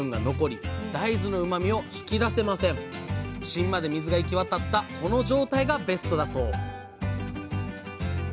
芯まで水が行き渡ったこの状態がベストだそう